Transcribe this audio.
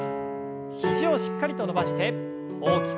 肘をしっかりと伸ばして大きく。